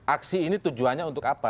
aksi ini tujuannya untuk apa